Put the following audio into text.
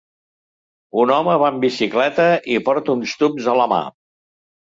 Un home va en bicicleta i porta uns tubs a la mà.